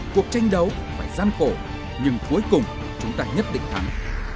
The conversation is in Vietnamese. cuộc tranh đấu phải gian khổ nhưng cuối cùng chúng ta nhất định thắng